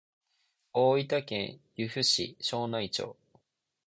大分県由布市庄内町